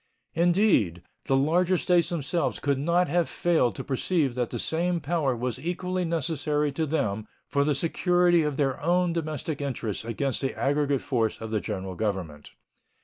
Indeed, the larger States themselves could not have failed to perceive that the same power was equally necessary to them for the security of their own domestic interests against the aggregate force of the General Government.